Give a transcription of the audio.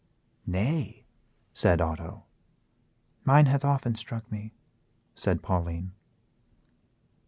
"Nay," said Otto. "Mine hath often struck me," said Pauline.